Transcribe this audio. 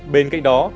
bên cạnh đó